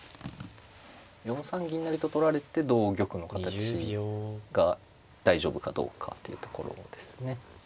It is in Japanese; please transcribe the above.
４三銀成と取られて同玉の形が大丈夫かどうかというところですね。